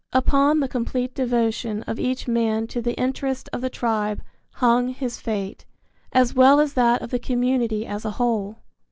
Upon the complete devotion of each man to the interest of the tribe hung his fate, as well as that of the community as a whole.